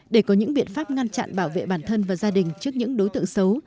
để có những biện pháp ngăn chặn bảo vệ bản thân và gia đình trước những đối tượng xấu